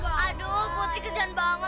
aduh putri kejalan banget